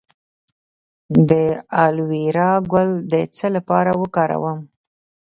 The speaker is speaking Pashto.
د الوویرا ګل د څه لپاره وکاروم؟